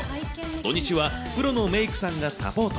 土日はプロのメークさんがサポート。